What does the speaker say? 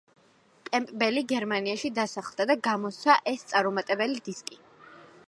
კემპბელი გერმანიაში დასახლდა და გამოსცა ეს წარუმატებელი დისკი.